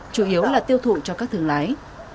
chủ yếu là tiêu thụ cho các thương lái